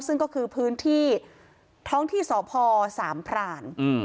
ซึ่งก็คือพื้นที่ท้องที่สพสามพราน